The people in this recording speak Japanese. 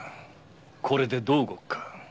これでどう動くか？